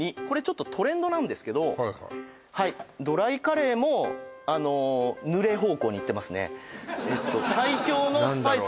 これちょっとトレンドなんですけどはいはいはいドライカレーもあのぬれ方向にいってますねハハハ